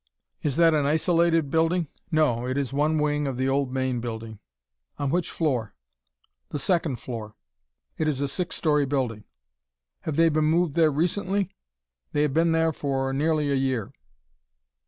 "Is that an isolated building?" "No, it is one wing of the old main building." "On which floor?" "The second floor. It is a six story building." "Have they been moved there recently?" "They have been there for nearly a year."